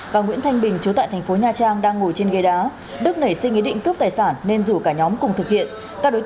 và nguyễn thanh bình chú tại thành phố nha trang đang ngồi trên ghê đá